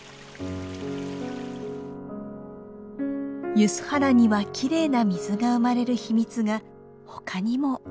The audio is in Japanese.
梼原にはきれいな水が生まれる秘密がほかにもあります。